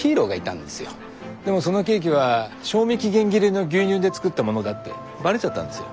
でもそのケーキは賞味期限切れの牛乳で作ったものだってバレちゃったんですよ。